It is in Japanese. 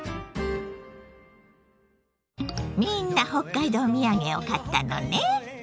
みんな北海道土産を買ったのね。